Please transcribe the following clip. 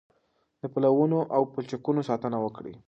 د پلونو او پلچکونو ساتنه وکړئ.